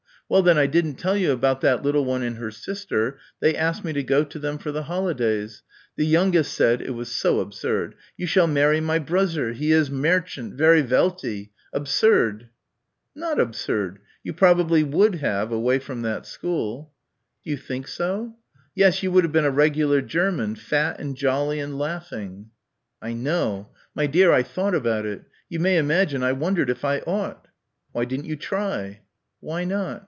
Well, then, I didn't tell you about that little one and her sister they asked me to go to them for the holidays. The youngest said it was so absurd 'you shall marry my bruzzer he is mairchant very welty' absurd." "Not absurd you probably would have, away from that school." "D'you think so?" "Yes, you would have been a regular German, fat and jolly and laughing." "I know. My dear I thought about it. You may imagine. I wondered if I ought." "Why didn't you try?" Why not?